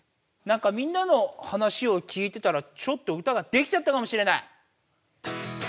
なんかみんなの話を聞いてたらちょっと歌ができちゃったかもしれない。